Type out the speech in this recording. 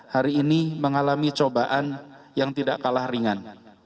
hari ini mengalami cobaan yang tidak kalah ringan